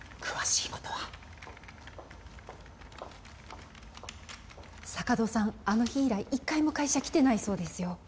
詳しいことは坂戸さんあの日以来一回も会社来てないそうですよ